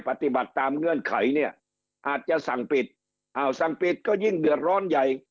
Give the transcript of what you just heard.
ปฏิบัติตามเงื่อนไขเนี่ยอาจจะสั่งปิดอ้าวสั่งปิดก็ยิ่งเดือดร้อนใหญ่